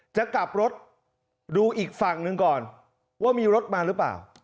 จะกลับรถดูอีกฝั่งหนึ่งก่อนว่ามีรถมาหรือเปล่า